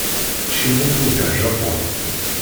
Ccinwa tugar Japun.